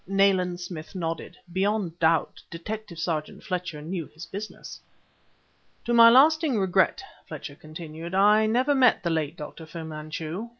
Nayland Smith nodded. Beyond doubt Detective sergeant Fletcher knew his business. "To my lasting regret," Fletcher continued, "I never met the late Dr. Fu Manchu.